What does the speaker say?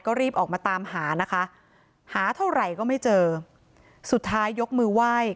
ก็รีบออกมาตามหานะคะหาเท่าไหร่ก็ไม่เจอสุดท้ายยกมือไหว้